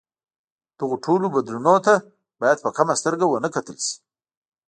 دغو ټولو بدلونونو ته باید په کمه سترګه ونه کتل شي.